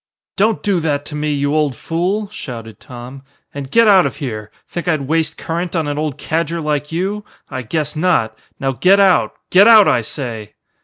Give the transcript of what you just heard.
"Don't do that to me, you old fool!" shouted Tom, "and get out of here. Think I'd waste current on an old cadger like you? I guess not! Now get out. Get out, I say!"